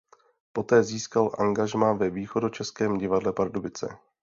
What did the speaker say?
Poté získal angažmá ve Východočeském divadle Pardubice.